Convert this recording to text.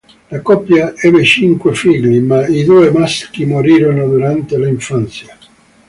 La coppia ebbe cinque figli, ma i due maschi morirono durante l'infanzia.